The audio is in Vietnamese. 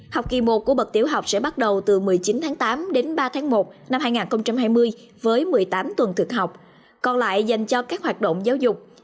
học kỳ một của bậc tiểu học sẽ bắt đầu từ một mươi chín tháng tám đến ba tháng một năm hai nghìn hai mươi với một mươi tám tuần thực học còn lại dành cho các hoạt động giáo dục